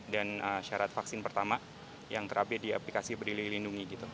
dan syarat vaksin pertama yang terakhir di aplikasi peduli lindungi